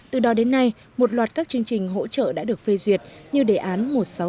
từ đó đến nay một loạt các chương trình hỗ trợ đã được phê duyệt như đề án một nghìn sáu trăm sáu mươi năm